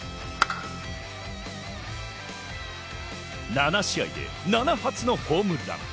７試合で７発のホームラン。